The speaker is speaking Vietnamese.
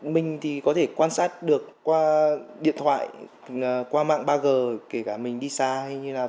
mình thì có thể quan sát được qua điện thoại qua mạng ba g kể cả mình đi xa hay như nào